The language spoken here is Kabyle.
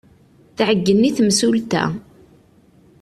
Tɛeyyen i temsulta.